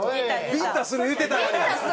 ビンタする言うてたやん。